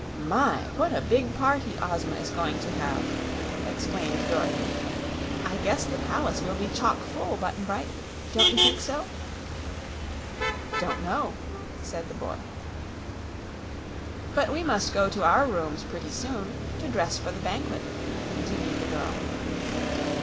"My! what a big party Ozma is going to have," exclaimed Dorothy. "I guess the palace will be chock full, Button Bright; don't you think so?" "Don't know," said the boy. "But we must go to our rooms, pretty soon, to dress for the banquet," continued the girl.